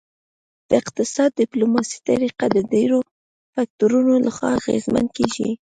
د اقتصادي ډیپلوماسي طریقه د ډیرو فکتورونو لخوا اغیزمن کیږي